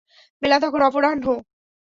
বেলা তখন অপরাহ্ন।